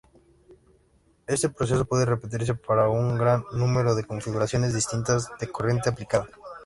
Este proceso puede repetirse para un gran número de configuraciones distintas de corriente aplicada.